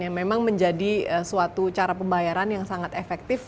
yang memang menjadi suatu cara pembayaran yang sangat efektif